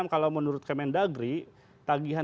kalau menurut kementdagri tagihan